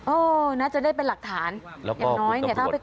โอ้น่าจะได้เป็นหลักฐานอย่างน้อยเนี่ยถ้าไปก่อเหตุอีกนะ